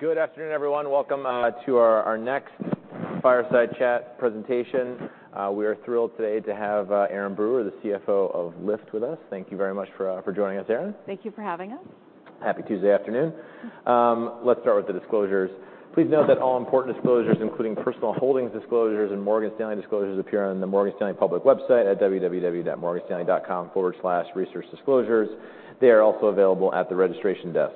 Good afternoon, everyone. Welcome to our next fireside chat presentation. We are thrilled today to have Erin Brewer, the CFO of Lyft, with us. Thank you very much for joining us, Erin. Thank you for having us. Happy Tuesday afternoon. Let's start with the disclosures. Please note that all important disclosures, including personal holdings disclosures and Morgan Stanley disclosures, appear on the Morgan Stanley public website at www.morganstanley.com/researchdisclosures. They are also available at the registration desk.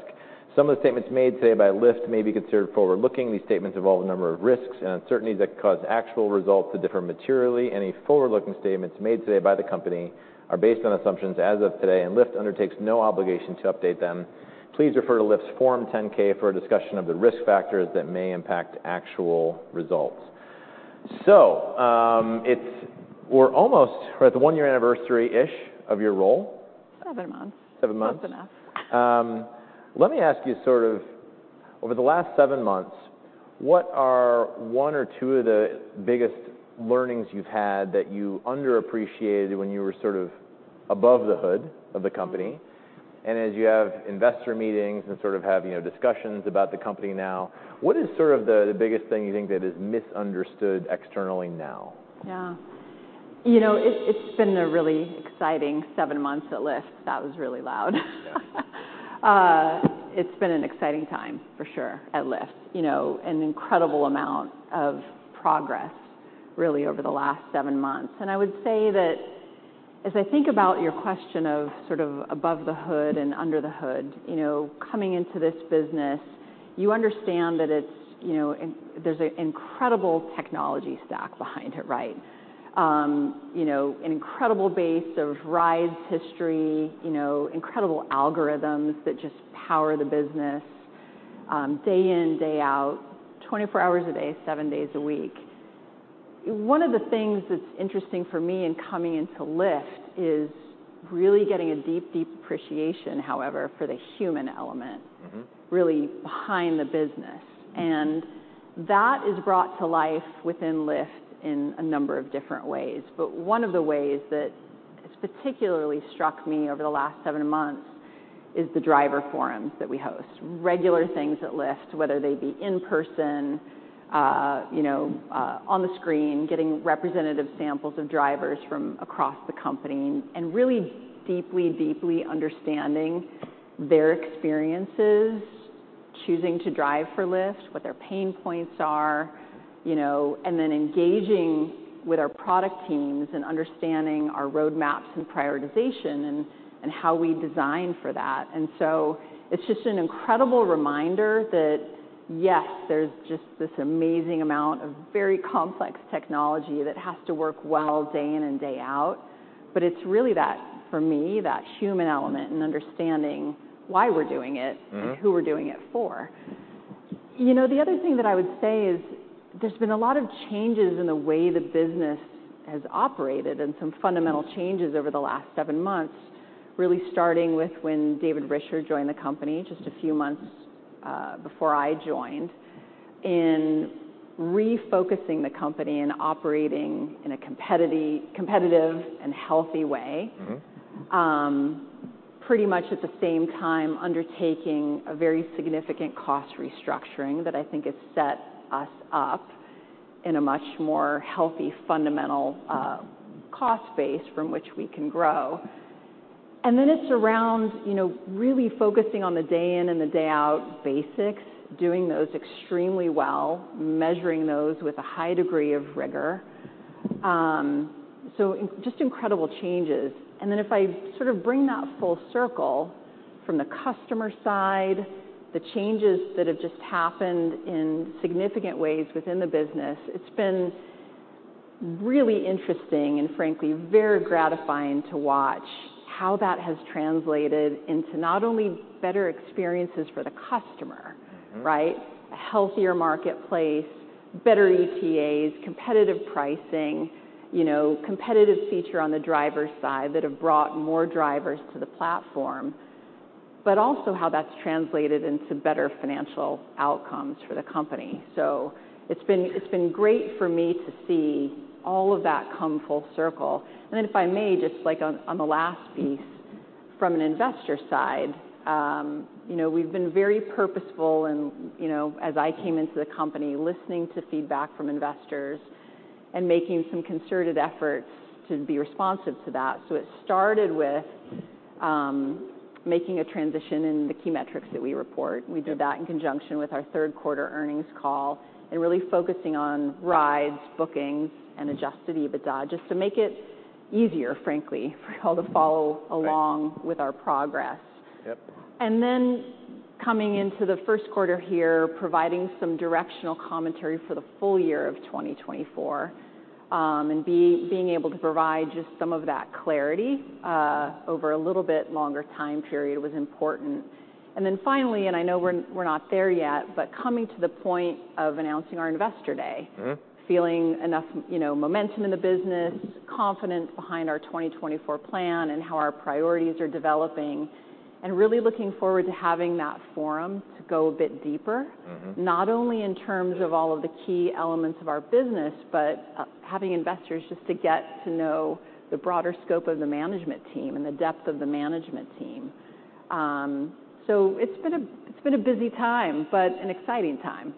Some of the statements made today by Lyft may be considered forward-looking. These statements involve a number of risks and uncertainties that cause actual results to differ materially. Any forward-looking statements made today by the company are based on assumptions as of today, and Lyft undertakes no obligation to update them. Please refer to Lyft's Form 10-K for a discussion of the risk factors that may impact actual results. We're almost at the one-year anniversary-ish of your role? Seven months. Seven months. Close enough. Let me ask you sort of, over the last seven months, what are one or two of the biggest learnings you've had that you underappreciated when you were sort of above the hood of the company? And as you have investor meetings and sort of have, you know, discussions about the company now, what is sort of the biggest thing you think that is misunderstood externally now? Yeah. You know, it's been a really exciting seven months at Lyft. That was really loud. Yeah. It's been an exciting time, for sure, at Lyft. You know, an incredible amount of progress really over the last seven months. I would say that as I think about your question of sort of above the hood and under the hood, you know, coming into this business, you understand that it's, you know, there's an incredible technology stack behind it, right? You know, an incredible base of rides history, you know, incredible algorithms that just power the business, day in, day out, 24 hours a day, seven days a week. One of the things that's interesting for me in coming into Lyft is really getting a deep, deep appreciation, however, for the human element-... really behind the business. That is brought to life within Lyft in a number of different ways. But one of the ways that has particularly struck me over the last seven months is the driver forums that we host. Regular things at Lyft, whether they be in person, you know, on the screen, getting representative samples of drivers from across the company, and really deeply, deeply understanding their experiences, choosing to drive for Lyft, what their pain points are, you know, and then engaging with our product teams and understanding our roadmaps and prioritization and, and how we design for that. And so it's just an incredible reminder that, yes, there's just this amazing amount of very complex technology that has to work well day in and day out, but it's really that, for me, that human element and understanding why we're doing it-... and who we're doing it for. You know, the other thing that I would say is there's been a lot of changes in the way the business has operated and some fundamental changes over the last seven months, really starting with when David Risher joined the company just a few months before I joined, in refocusing the company and operating in a competitive and healthy way. Pretty much at the same time, undertaking a very significant cost restructuring that I think has set us up in a much more healthy, fundamental, cost base from which we can grow. And then it's around, you know, really focusing on the day in and the day out basics, doing those extremely well, measuring those with a high degree of rigor. So just incredible changes. And then if I sort of bring that full circle from the customer side, the changes that have just happened in significant ways within the business, it's been really interesting and frankly, very gratifying to watch how that has translated into not only better experiences for the customer-... right? A healthier marketplace, better ETAs, competitive pricing, you know, competitive feature on the driver side that have brought more drivers to the platform, but also how that's translated into better financial outcomes for the company. So it's been, it's been great for me to see all of that come full circle. And then if I may, just like on, on the last piece, from an investor side, you know, we've been very purposeful and, you know, as I came into the company, listening to feedback from investors and making some concerted efforts to be responsive to that. So it started with, making a transition in the key metrics that we report. We did that in conjunction with our Q3 earnings call, and really focusing on rides, bookings, and Adjusted EBITDA, just to make it easier, frankly, for all to follow along-... with our progress. And then coming into the Q1 here, providing some directional commentary for the full year of 2024, and being able to provide just some of that clarity over a little bit longer time period was important. And then finally, and I know we're not there yet, but coming to the point of announcing our investor day. Feeling enough, you know, momentum in the business, confidence behind our 2024 plan, and how our priorities are developing, and really looking forward to having that forum to go a bit deeper. Not only in terms of-... all of the key elements of our business, but having investors just to get to know the broader scope of the management team and the depth of the management team. So it's been a busy time, but an exciting time.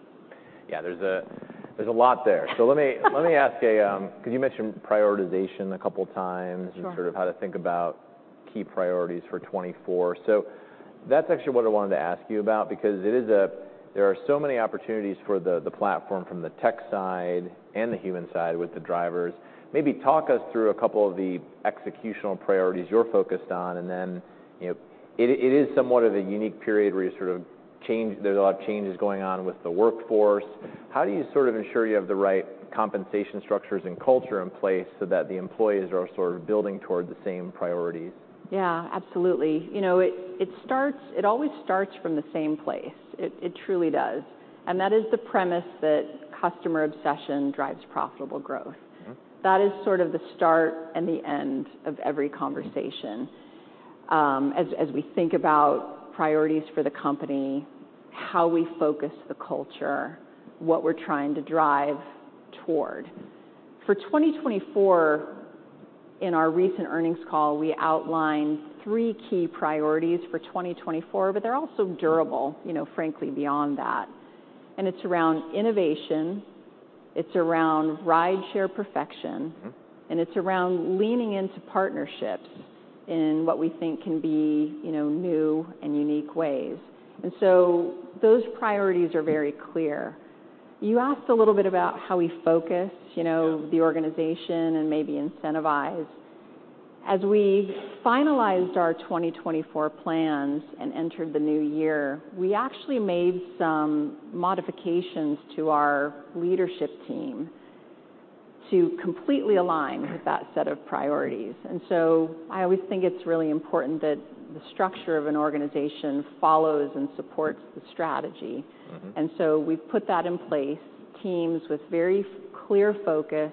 Yeah, there's a lot there. So let me ask... 'Cause you mentioned prioritization a couple times- and sort of how to think about key priorities for 2024. So that's actually what I wanted to ask you about because it is a- there are so many opportunities for the, the platform, from the tech side and the human side with the drivers. Maybe talk us through a couple of the executional priorities you're focused on, and then, you know, it, it is somewhat of a unique period where you're sort of changing-- there's a lot of changes going on with the workforce. How do you sort of ensure you have the right compensation structures and culture in place so that the employees are sort of building toward the same priorities? Yeah, absolutely. You know, it starts, it always starts from the same place. It truly does, and that is the premise that customer obsession drives profitable growth. That is sort of the start and the end of every conversation, as we think about priorities for the company, how we focus the culture, what we're trying to drive toward. For 2024, in our recent earnings call, we outlined three key priorities for 2024, but they're also durable, you know, frankly, beyond that. And it's around innovation, it's around rideshare perfection-... and it's around leaning into partnerships in what we think can be, you know, new and unique ways. So those priorities are very clear. You asked a little bit about how we focus, you know-... the organization and maybe incentivize. As we finalized our 2024 plans and entered the new year, we actually made some modifications to our leadership team to completely align- with that set of priorities. And so I always think it's really important that the structure of an organization follows and supports the strategy. And so we've put that in place, teams with very clear focus,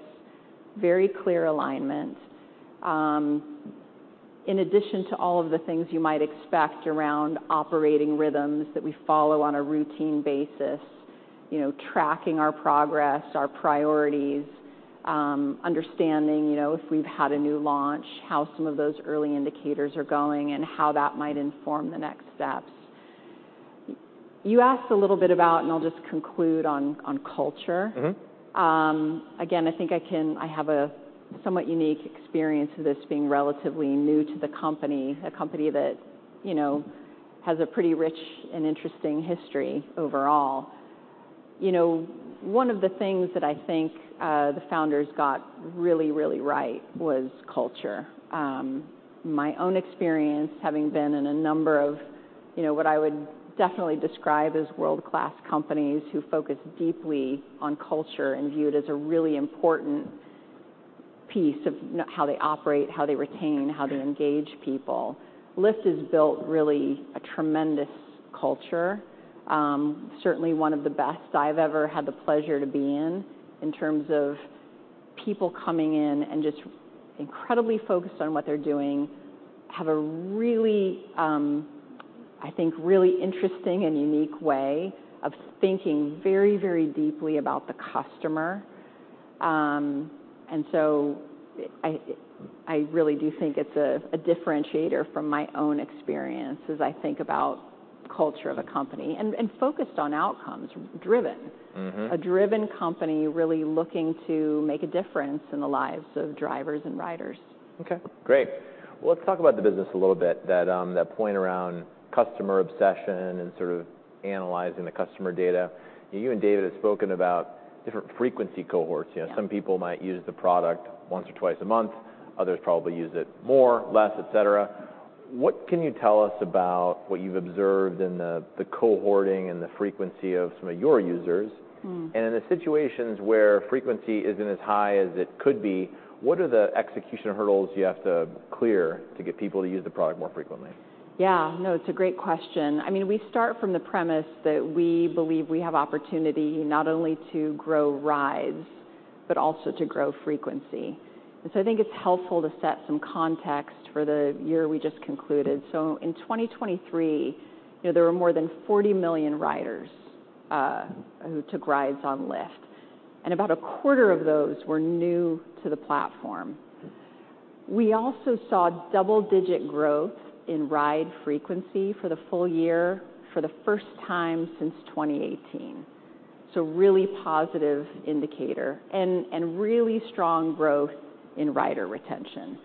very clear alignment. In addition to all of the things you might expect around operating rhythms that we follow on a routine basis, you know, tracking our progress, our priorities, understanding, you know, if we've had a new launch, how some of those early indicators are going, and how that might inform the next steps. You asked a little bit about, and I'll just conclude on culture. Again, I think I have a somewhat unique experience to this, being relatively new to the company, a company that, you know, has a pretty rich and interesting history overall. You know, one of the things that I think the founders got really, really right was culture. My own experience, having been in a number of, you know, what I would definitely describe as world-class companies, who focus deeply on culture and view it as a really important piece of how they operate, how they retain... how they engage people. Lyft has built really a tremendous culture. Certainly one of the best I've ever had the pleasure to be in, in terms of people coming in and just incredibly focused on what they're doing, have a really, I think, really interesting and unique way of thinking very, very deeply about the customer. And so I really do think it's a differentiator from my own experience as I think about culture of a company, and focused on outcomes, driven. A driven company really looking to make a difference in the lives of drivers and riders. Okay, great. Well, let's talk about the business a little bit, that, that point around customer obsession and sort of analyzing the customer data. You and David have spoken about different frequency cohorts. You know, some people might use the product once or twice a month, others probably use it more, less, et cetera. What can you tell us about what you've observed in the cohorting and the frequency of some of your users? In the situations where frequency isn't as high as it could be, what are the execution hurdles you have to clear to get people to use the product more frequently? Yeah. No, it's a great question. I mean, we start from the premise that we believe we have opportunity not only to grow rides but also to grow frequency, and so I think it's helpful to set some context for the year we just concluded. So in 2023, you know, there were more than 40 million riders who took rides on Lyft, and about a quarter of those were new to the platform. We also saw double-digit growth in ride frequency for the full year for the first time since 2018, so really positive indicator and really strong growth in rider retention.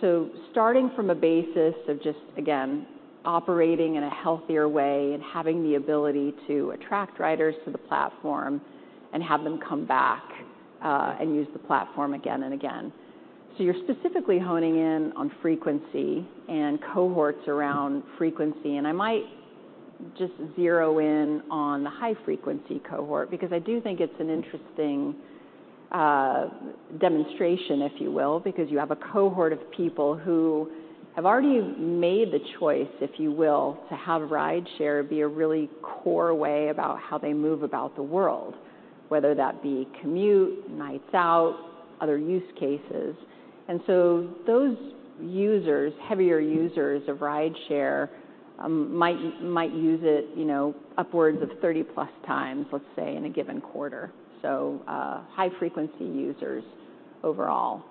So starting from a basis of just, again, operating in a healthier way and having the ability to attract riders to the platform and have them come back and use the platform again and again. So you're specifically honing in on frequency and cohorts around frequency, and I might just zero in on the high-frequency cohort because I do think it's an interesting, demonstration, if you will, because you have a cohort of people who have already made the choice, if you will, to have rideshare be a really core way about how they move about the world, whether that be commute, nights out, other use cases. And so those users, heavier users of rideshare, might use it, you know, upwards of 30+ times, let's say, in a given quarter, so, high-frequency users overall....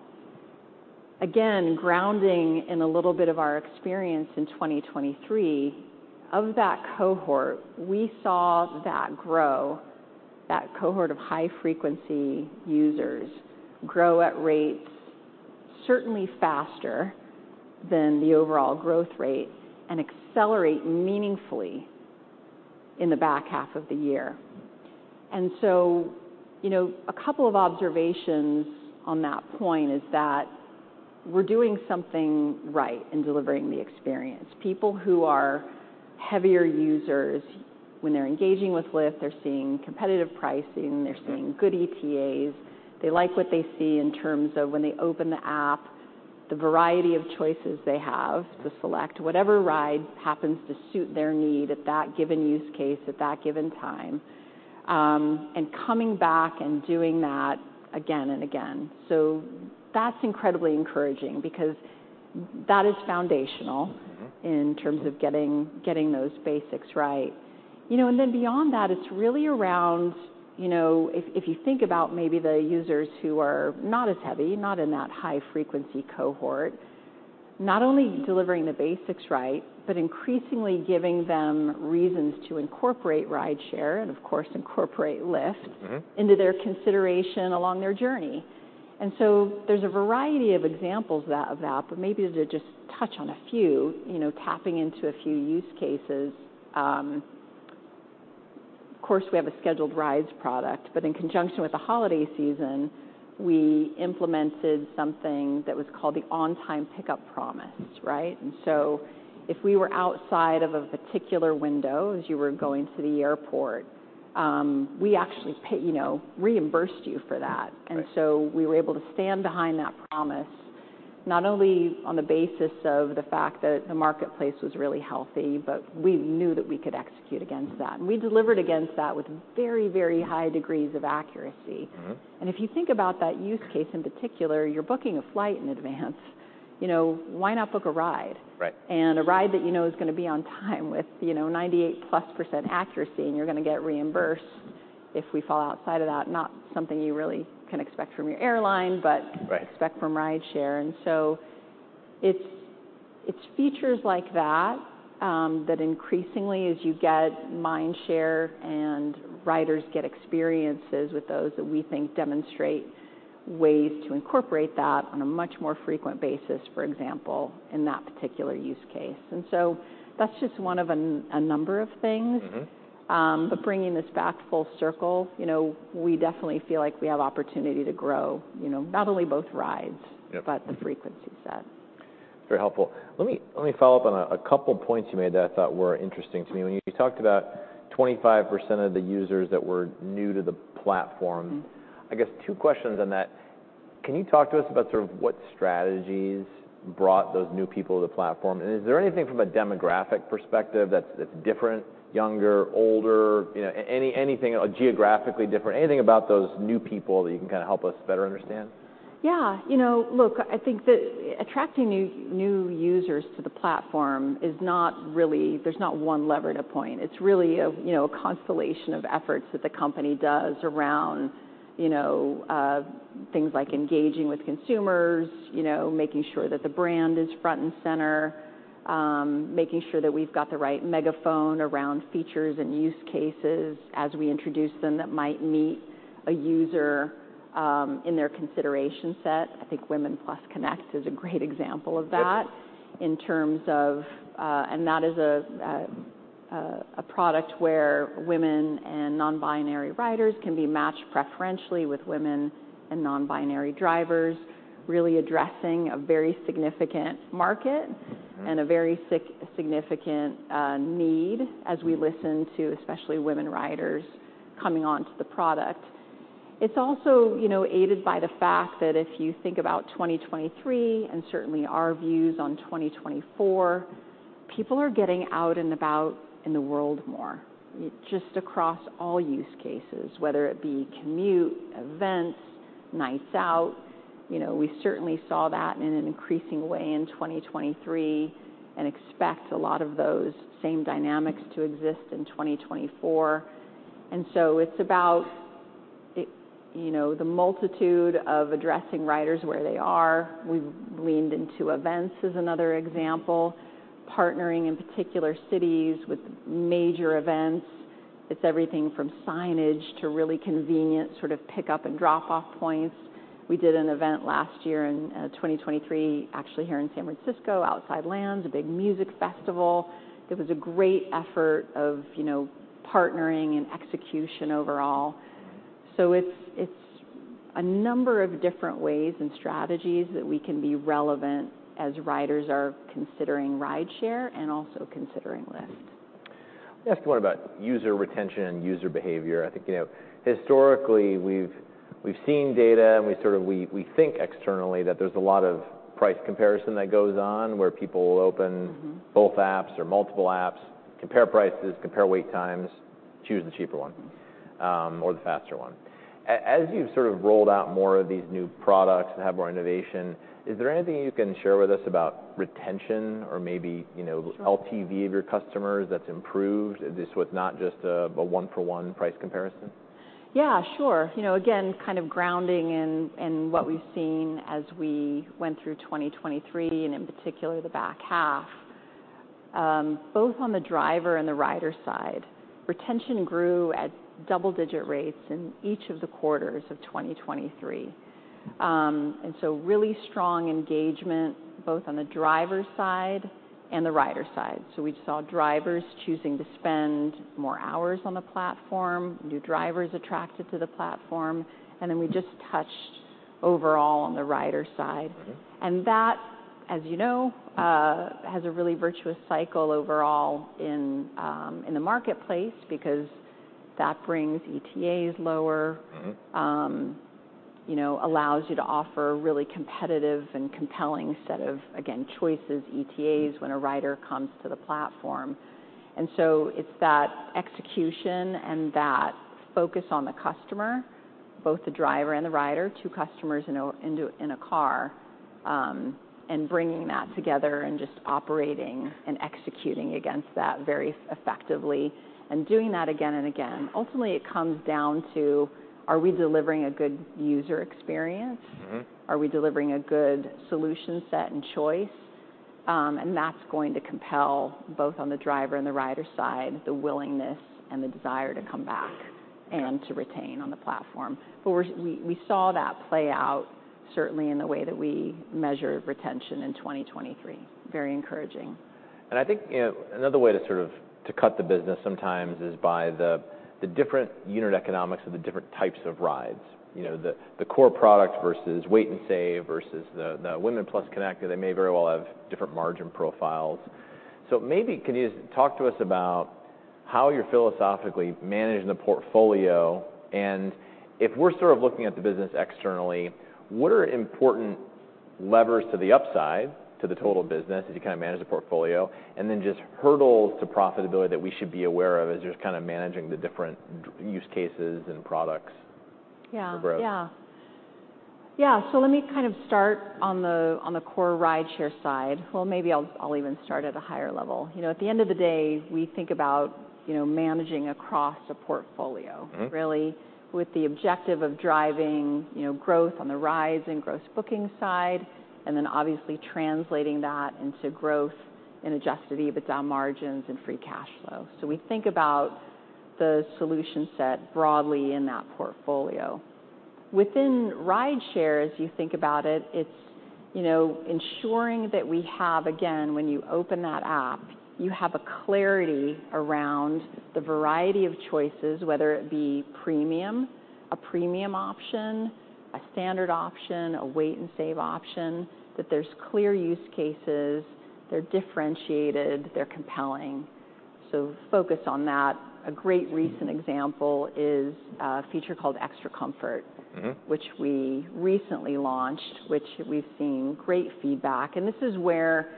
again, grounding in a little bit of our experience in 2023, of that cohort, we saw that grow, that cohort of high-frequency users, grow at rates certainly faster than the overall growth rate and accelerate meaningfully in the back half of the year. And so, you know, a couple of observations on that point is that we're doing something right in delivering the experience. People who are heavier users, when they're engaging with Lyft, they're seeing competitive pricing, they're seeing good ETAs. They like what they see in terms of when they open the app, the variety of choices they have to select whatever ride happens to suit their need at that given use case, at that given time, and coming back and doing that again and again. So that's incredibly encouraging because that is foundational- in terms of getting those basics right. You know, and then beyond that, it's really around, you know, if you think about maybe the users who are not as heavy, not in that high-frequency cohort, not only delivering the basics right, but increasingly giving them reasons to incorporate rideshare and of course, incorporate Lyft- into their consideration along their journey. And so there's a variety of examples of that, but maybe to just touch on a few, you know, tapping into a few use cases. Of course, we have a Scheduled Rides product, but in conjunction with the holiday season, we implemented something that was called the On-Time Pickup Promise, right? And so if we were outside of a particular window as you were going to the airport, we actually, you know, reimbursed you for that. Right. So we were able to stand behind that promise, not only on the basis of the fact that the marketplace was really healthy, but we knew that we could execute against that. We delivered against that with very, very high degrees of accuracy. If you think about that use case, in particular, you're booking a flight in advance, you know, why not book a ride? Right. A ride that you know is gonna be on time with, you know, 98+% accuracy, and you're gonna get reimbursed if we fall outside of that. Not something you really can expect from your airline, but. Right expect from rideshare. So it's features like that that increasingly, as you get mindshare and riders get experiences with those, that we think demonstrate ways to incorporate that on a much more frequent basis, for example, in that particular use case. So that's just one of a number of things. Bringing this back full circle, you know, we definitely feel like we have opportunity to grow, you know, not only both rides- but the frequency set. Very helpful. Let me, let me follow up on a, a couple points you made that I thought were interesting to me. When you talked about 25% of the users that were new to the platform- I guess two questions on that. Can you talk to us about sort of what strategies brought those new people to the platform? And is there anything from a demographic perspective that's different, younger, older, you know, anything geographically different, anything about those new people that you can kind of help us better understand? Yeah. You know, look, I think that attracting new users to the platform is not really... There's not one lever to point. It's really a, you know, a constellation of efforts that the company does around, you know, things like engaging with consumers, you know, making sure that the brand is front and center, making sure that we've got the right megaphone around features and use cases as we introduce them, that might meet a user, in their consideration set. I think Women+ Connect is a great example of that. In terms of, that is a product where women and non-binary riders can be matched preferentially with women and non-binary drivers, really addressing a very significant market. and a very significant need as we listen to especially women riders coming onto the product. It's also, you know, aided by the fact that if you think about 2023 and certainly our views on 2024, people are getting out and about in the world more, just across all use cases, whether it be commute, events, nights out. You know, we certainly saw that in an increasing way in 2023 and expect a lot of those same dynamics to exist in 2024. And so it's about it, you know, the multitude of addressing riders where they are. We've leaned into events, as another example, partnering in particular cities with major events. It's everything from signage to really convenient sort of pick-up and drop-off points. We did an event last year in 2023, actually here in San Francisco, Outside Lands, a big music festival. It was a great effort of, you know, partnering and execution overall. So it's a number of different ways and strategies that we can be relevant as riders are considering rideshare and also considering Lyft. Let me ask you more about user retention and user behavior. I think, you know, historically, we've seen data, and we sort of we think externally that there's a lot of price comparison that goes on, where people will open- both apps or multiple apps, compare prices, compare wait times, choose the cheaper one, or the faster one. As you've sort of rolled out more of these new products and have more innovation, is there anything you can share with us about retention or maybe, you know- LTV of your customers that's improved? This was not just a one-for-one price comparison. ... Yeah, sure. You know, again, kind of grounding in what we've seen as we went through 2023, and in particular, the back half. Both on the driver and the rider side, retention grew at double-digit rates in each of the quarters of 2023. And so really strong engagement, both on the driver side and the rider side. So we saw drivers choosing to spend more hours on the platform, new drivers attracted to the platform, and then we just touched overall on the rider side. That, as you know, has a really virtuous cycle overall in the marketplace because that brings ETAs lower.... you know, allows you to offer really competitive and compelling set of, again, choices, ETAs, when a rider comes to the platform. And so it's that execution and that focus on the customer, both the driver and the rider, two customers in a car, and bringing that together and just operating and executing against that very effectively, and doing that again and again. Ultimately, it comes down to, are we delivering a good user experience? Are we delivering a good solution set and choice? And that's going to compel, both on the driver and the rider side, the willingness and the desire to come back- and to retain on the platform. But we saw that play out certainly in the way that we measure retention in 2023. Very encouraging. I think, you know, another way to sort of to cut the business sometimes is by the different unit economics of the different types of rides. You know, the core product versus Wait & Save, versus the Women+ Connect, they may very well have different margin profiles. So maybe can you just talk to us about how you're philosophically managing the portfolio? And if we're sort of looking at the business externally, what are important levers to the upside, to the toal business, as you kind of manage the portfolio, and then just hurdles to profitability that we should be aware of as you're kind of managing the different use cases and products- Yeah - for growth? Yeah. Yeah, so let me kind of start on the core rideshare side. Well, maybe I'll even start at a higher level. You know, at the end of the day, we think about, you know, managing across a portfolio.... really with the objective of driving, you know, growth on the rides and gross booking side, and then obviously translating that into growth in Adjusted EBITDA margins and free cash flow. So we think about the solution set broadly in that portfolio. Within rideshare, as you think about it, it's, you know, ensuring that we have, again, when you open that app, you have a clarity around the variety of choices, whether it be premium, a premium option, a standard option, a Wait & Save option, that there's clear use cases, they're differentiated, they're compelling. So focus on that. A great recent example is a feature called Extra Comfort-... which we recently launched, which we've seen great feedback. This is where,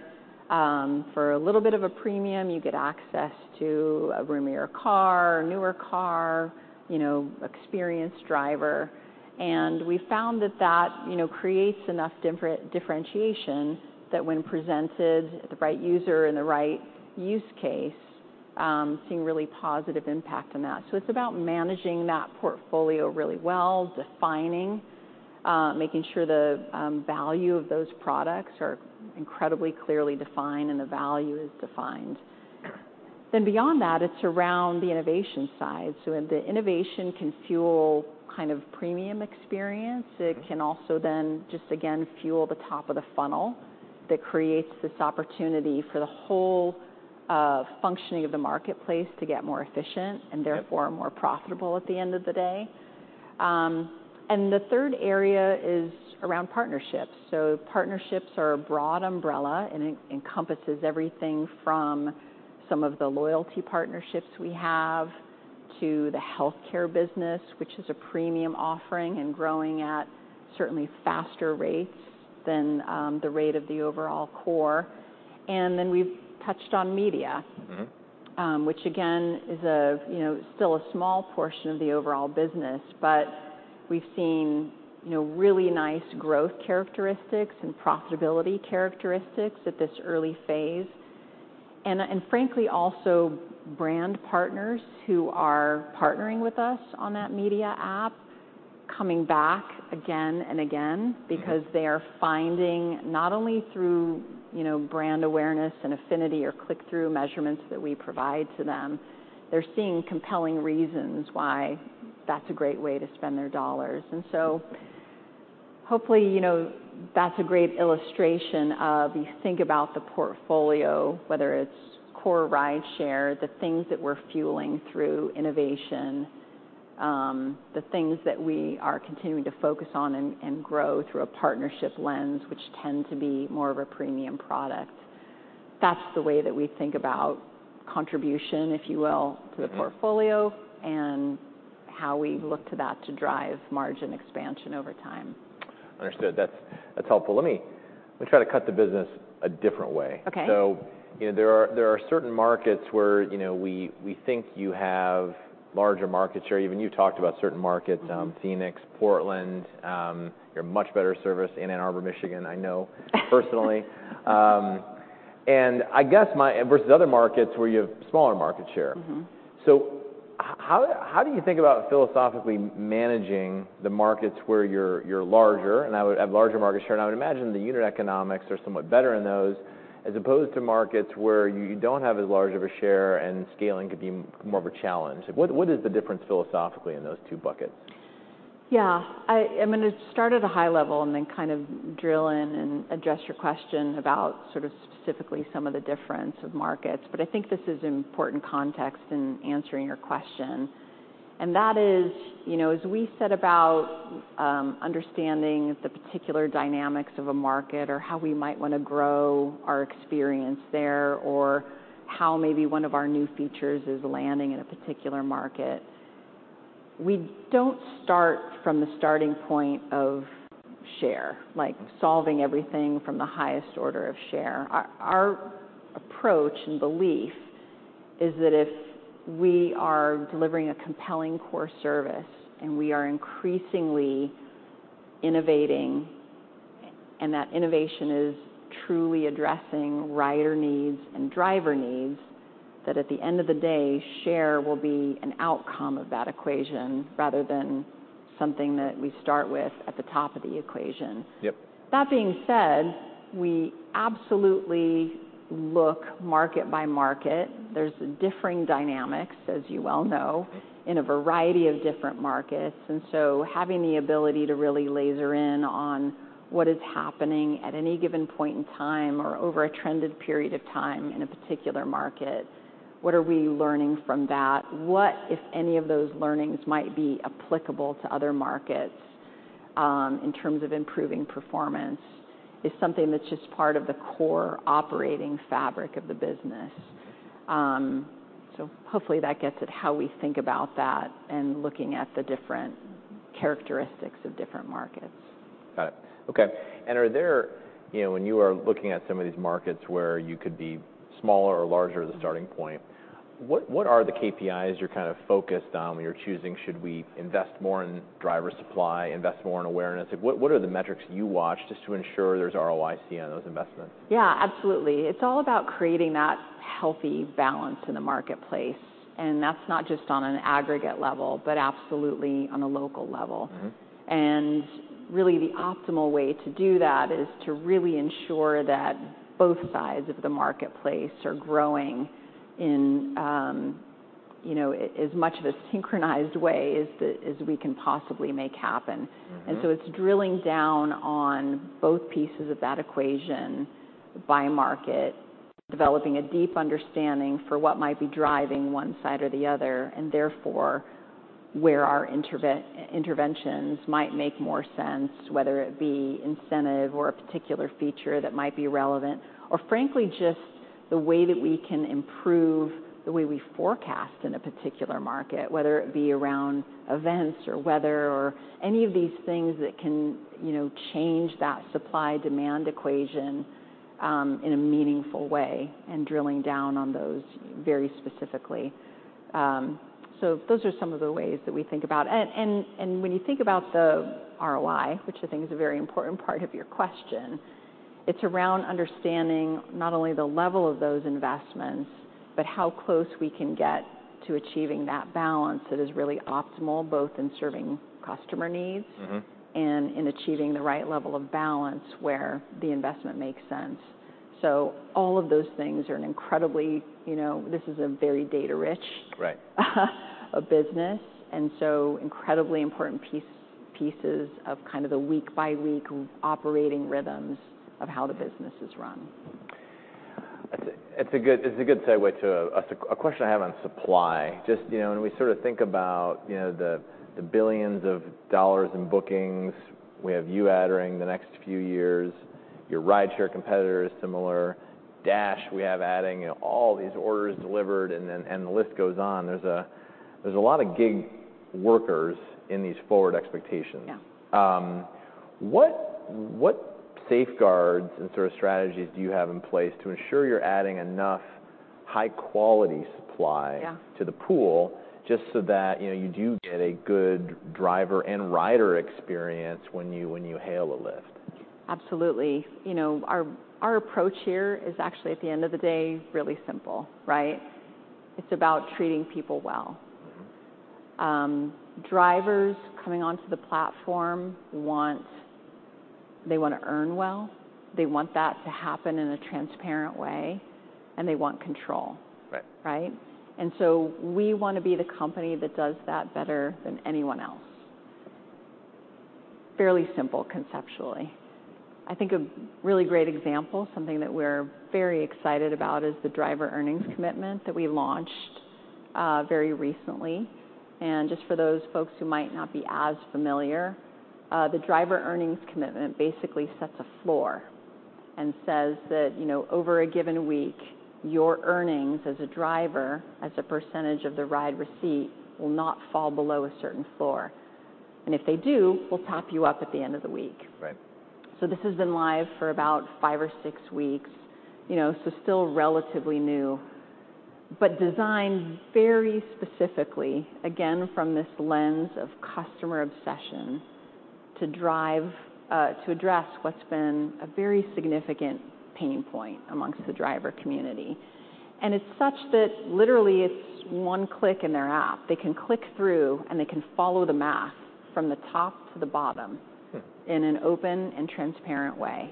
for a little bit of a premium, you get access to a roomier car, a newer car, you know, experienced driver. We found that that, you know, creates enough differentiation, that when presented the right user and the right use case, seeing really positive impact on that. It's about managing that portfolio really well, defining, making sure the value of those products are incredibly clearly defined and the value is defined. Beyond that, it's around the innovation side. The innovation can fuel kind of premium experience. It can also then just again, fuel the top of the funnel that creates this opportunity for the whole, functioning of the marketplace to get more efficient- - and therefore, more profitable at the end of the day. And the third area is around partnerships. So partnerships are a broad umbrella, and it encompasses everything from some of the loyalty partnerships we have, to the healthcare business, which is a premium offering and growing at certainly faster rates than the rate of the overall core. And then we've touched on media-... which again, is a, you know, still a small portion of the overall business, but we've seen, you know, really nice growth characteristics and profitability characteristics at this early phase. And frankly, also brand partners who are partnering with us on that media app, coming back again and again-... because they are finding not only through, you know, brand awareness and affinity or click-through measurements that we provide to them, they're seeing compelling reasons why that's a great way to spend their dollars. And so hopefully, you know, that's a great illustration of you think about the portfolio, whether it's core rideshare, the things that we're fueling through innovation, the things that we are continuing to focus on and grow through a partnership lens, which tend to be more of a premium product. That's the way that we think about contribution, if you will-... to the portfolio, and how we look to that to drive margin expansion over time. Understood. That's helpful. Let me try to cut the business a different way. Okay. So, you know, there are certain markets where, you know, we think you have larger market share. Even you talked about certain markets-... Phoenix, Portland, you have much better service in Ann Arbor, Michigan. I know personally. And I guess my versus other markets where you have smaller market share. So how do you think about philosophically managing the markets where you're larger, and have larger market share? And I would imagine the unit economics are somewhat better in those, as opposed to markets where you don't have as large of a share, and scaling could be more of a challenge. What is the difference philosophically in those two buckets? Yeah. I'm gonna start at a high level and then kind of drill in and address your question about sort of specifically some of the difference of markets. But I think this is important context in answering your question. And that is, you know, as we set about understanding the particular dynamics of a market or how we might wanna grow our experience there, or how maybe one of our new features is landing in a particular market, we don't start from the starting point of share, like solving everything from the highest order of share. Our approach and belief is that if we are delivering a compelling core service, and we are increasingly innovating, and that innovation is truly addressing rider needs and driver needs, that at the end of the day, share will be an outcome of that equation, rather than something that we start with at the top of the equation. That being said, we absolutely look market by market. There's differing dynamics, as you well know.... in a variety of different markets. And so having the ability to really laser in on what is happening at any given point in time or over a trended period of time in a particular market, what are we learning from that? What, if any, of those learnings might be applicable to other markets? In terms of improving performance, is something that's just part of the core operating fabric of the business. So hopefully that gets at how we think about that and looking at the different characteristics of different markets. Got it. Okay, and are there... You know, when you are looking at some of these markets where you could be smaller or larger as a starting point, what, what are the KPIs you're kind of focused on when you're choosing, should we invest more in driver supply, invest more in awareness? Like, what, what are the metrics you watch just to ensure there's ROIC on those investments? Yeah, absolutely. It's all about creating that healthy balance in the marketplace, and that's not just on an aggregate level, but absolutely on a local level. And really, the optimal way to do that is to really ensure that both sides of the marketplace are growing in, you know, as much of a synchronized way as we can possibly make happen. And so it's drilling down on both pieces of that equation by market, developing a deep understanding for what might be driving one side or the other, and therefore, where our interventions might make more sense, whether it be incentive or a particular feature that might be relevant, or frankly, just the way that we can improve the way we forecast in a particular market, whether it be around events or weather or any of these things that can, you know, change that supply-demand equation, in a meaningful way, and drilling down on those very specifically. So those are some of the ways that we think about... And when you think about the ROI, which I think is a very important part of your question, it's around understanding not only the level of those investments, but how close we can get to achieving that balance that is really optimal, both in serving customer needs-... and in achieving the right level of balance where the investment makes sense. So all of those things are an incredibly, you know, this is a very data-rich- Right a business, and so incredibly important pieces of kind of the week-by-week operating rhythms of how the business is run. It's a good segue to a question I have on supply. Just, you know, when we sort of think about, you know, the billions of dollars in bookings, we have you adding the next few years, your rideshare competitor is similar. Dash, we have adding, you know, all these orders delivered, and then the list goes on. There's a lot of gig workers in these forward expectations. What safeguards and sort of strategies do you have in place to ensure you're adding enough high-quality supply-... to the pool, just so that, you know, you do get a good driver and rider experience when you, when you hail a Lyft? Absolutely. You know, our approach here is actually, at the end of the day, really simple, right? It's about treating people well. Drivers coming onto the platform want—they wanna earn well, they want that to happen in a transparent way, and they want control. Right. Right? And so we wanna be the company that does that better than anyone else. Fairly simple, conceptually. I think a really great example, something that we're very excited about, is the Driver Earnings Commitment that we launched very recently. And just for those folks who might not be as familiar, the Driver Earnings Commitment basically sets a floor and says that, you know, over a given week, your earnings as a driver, as a percentage of the ride receipt, will not fall below a certain floor. And if they do, we'll top you up at the end of the week. Right. So this has been live for about five or six weeks, you know, so still relatively new... but designed very specifically, again, from this lens of customer obsession, to drive, to address what's been a very significant pain point amongst the driver community. And it's such that literally it's one click in their app. They can click through, and they can follow the math from the top to the bottom- in an open and transparent way.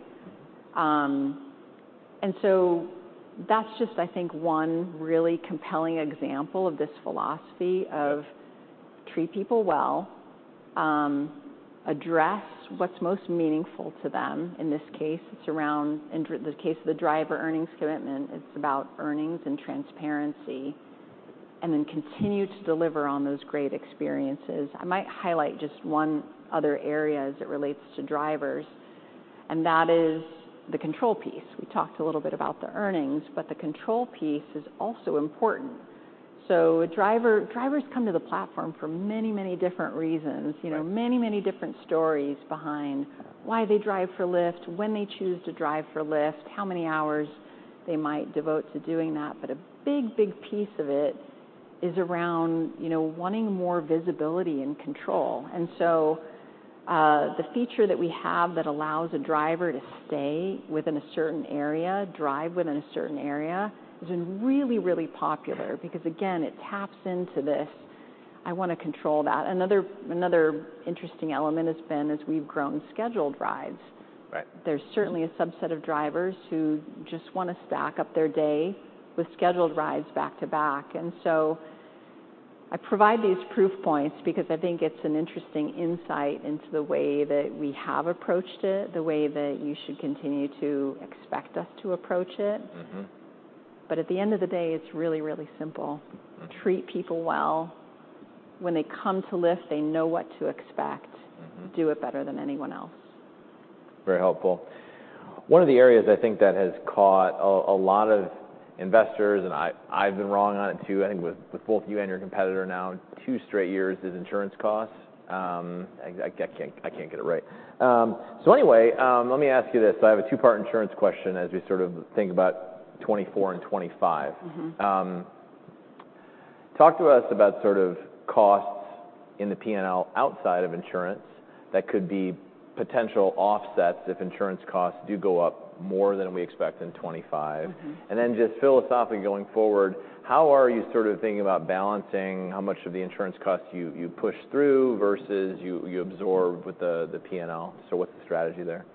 So that's just, I think, one really compelling example of this philosophy of treat people well, address what's most meaningful to them. In this case, it's around, in the case of the Driver Earnings Commitment, it's about earnings and transparency, and then continue to deliver on those great experiences. I might highlight just one other area as it relates to drivers, and that is the control piece. We talked a little bit about the earnings, but the control piece is also important. So drivers come to the platform for many, many different reasons. You know, many, many different stories behind why they drive for Lyft, when they choose to drive for Lyft, how many hours they might devote to doing that. But a big, big piece of it is around, you know, wanting more visibility and control. And so, the feature that we have that allows a driver to stay within a certain area, drive within a certain area, has been really, really popular because, again, it taps into this, "I wanna control that." Another, another interesting element has been, as we've grown scheduled rides. Right. There's certainly a subset of drivers who just wanna stack up their day with scheduled rides back-to-back. And so I provide these proof points because I think it's an interesting insight into the way that we have approached it, the way that you should continue to expect us to approach it. But at the end of the day, it's really, really simple. Treat people well. When they come to Lyft, they know what to expect. Do it better than anyone else. Very helpful. One of the areas I think that has caught a lot of investors, and I've been wrong on it, too, I think with both you and your competitor now, two straight years, is insurance costs. I can't get it right. So anyway, let me ask you this. I have a two-part insurance question as we sort of think about 2024 and 2025. Talk to us about sort of costs in the P&L outside of insurance that could be potential offsets if insurance costs do go up more than we expect in 2025. And then just philosophically going forward, how are you sort of thinking about balancing how much of the insurance costs you push through versus you absorb with the P&L? So what's the strategy there?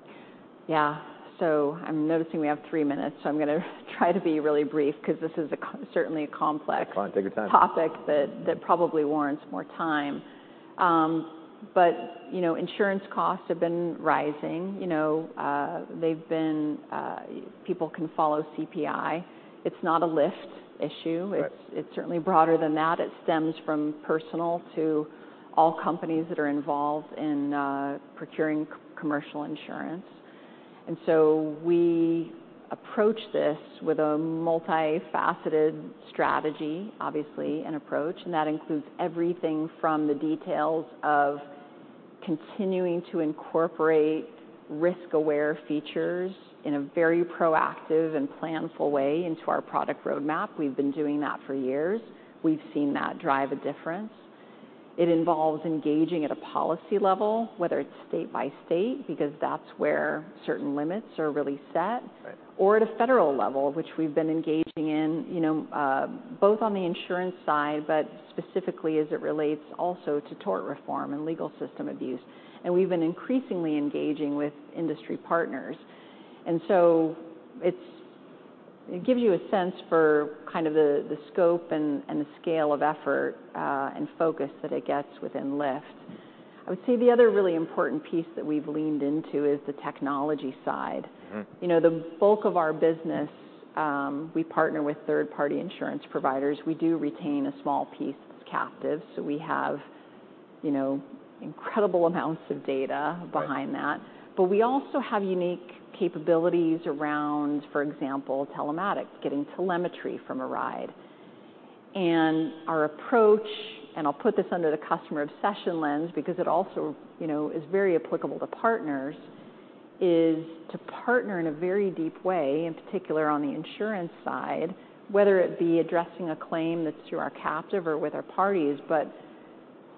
Yeah. So I'm noticing we have 3 minutes, so I'm gonna try to be really brief because this is certainly a complex- It's fine. Take your time.... topic that probably warrants more time. But, you know, insurance costs have been rising. You know, they've been... People can follow CPI. It's not a Lyft issue. It's, it's certainly broader than that. It stems from personal to all companies that are involved in procuring commercial insurance. And so we approach this with a multifaceted strategy, obviously, and approach, and that includes everything from the details of continuing to incorporate risk-aware features in a very proactive and planful way into our product roadmap. We've been doing that for years. We've seen that drive a difference. It involves engaging at a policy level, whether it's state by state, because that's where certain limits are really set-... or at a federal level, which we've been engaging in, you know, both on the insurance side, but specifically as it relates also to tort reform and legal system abuse. And we've been increasingly engaging with industry partners, and so it gives you a sense for kind of the scope and the scale of effort, and focus that it gets within Lyft. I would say the other really important piece that we've leaned into is the technology side. You know, the bulk of our business, we partner with third-party insurance providers. We do retain a small piece that's captive, so we have, you know, incredible amounts of data-... behind that. But we also have unique capabilities around, for example, telematics, getting telemetry from a ride. And our approach, and I'll put this under the customer obsession lens, because it also, you know, is very applicable to partners, is to partner in a very deep way, in particular, on the insurance side, whether it be addressing a claim that's through our captive or with our parties, but,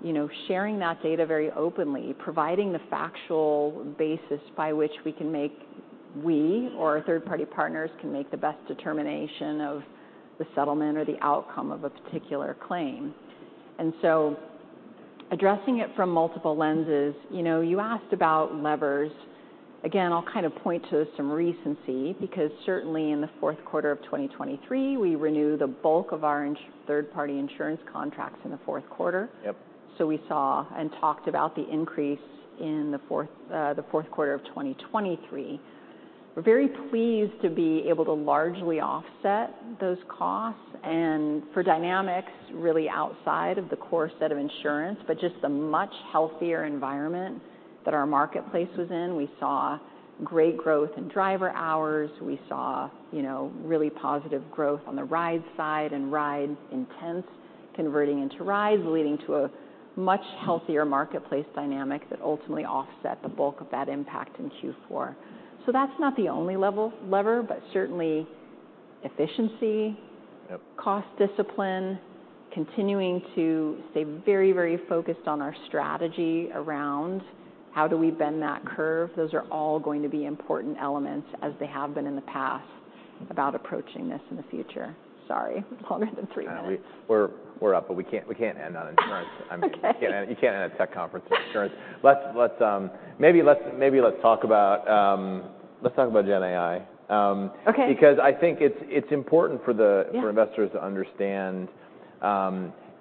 you know, sharing that data very openly, providing the factual basis by which we can make, we or third-party partners, can make the best determination of the settlement or the outcome of a particular claim. And so addressing it from multiple lenses, you know, you asked about levers. Again, I'll kind of point to some recency, because certainly in the Q4 of 2023, we renewed the bulk of our third-party insurance contracts in the Q4. So we saw and talked about the increase in the Q4 of 2023. We're very pleased to be able to largely offset those costs, and for dynamics really outside of the core set of insurance, but just the much healthier environment that our marketplace was in. We saw great growth in driver hours. We saw, you know, really positive growth on the rides side, and ride intents, converting into rides, leading to a much healthier marketplace dynamic that ultimately offset the bulk of that impact in Q4. So that's not the only level-lever, but certainly efficiency-... cost discipline, continuing to stay very, very focused on our strategy around how do we bend that curve, those are all going to be important elements as they have been in the past, about approaching this in the future. Sorry, longer than three minutes. We're up, but we can't end on insurance. I mean, we can't end, you can't end a tech conference with insurance. Maybe let's talk about GenAI. Okay. Because I think it's important for the-... for investors to understand,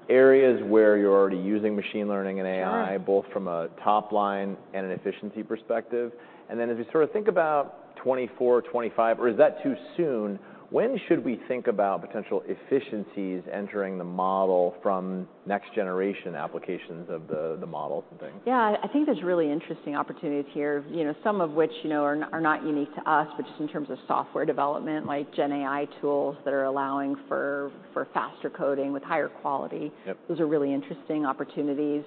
areas where you're already using machine learning and AI-... both from a top line and an efficiency perspective. And then as we sort of think about 2024, 2025, or is that too soon, when should we think about potential efficiencies entering the model from next generation applications of the model thing? Yeah, I think there's really interesting opportunities here, you know, some of which, you know, are not unique to us, but just in terms of software development, like GenAI tools that are allowing for faster coding with higher quality. Those are really interesting opportunities.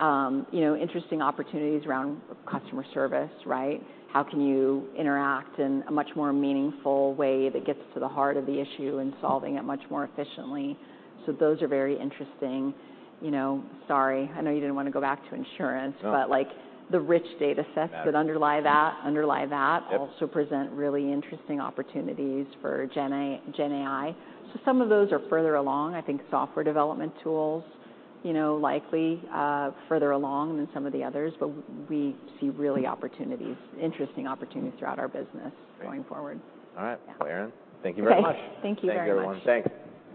You know, interesting opportunities around customer service, right? How can you interact in a much more meaningful way that gets to the heart of the issue and solving it much more efficiently? So those are very interesting. You know, sorry, I know you didn't want to go back to insurance-... but, like, the rich data sets-... that underlie that... also present really interesting opportunities for GenAI. So some of those are further along. I think software development tools, you know, likely further along than some of the others, but we see really opportunities, interesting opportunities throughout our business- Great... going forward. All right. Yeah. Well, Erin, thank you very much. Thank you very much. Thank you, everyone. Thanks.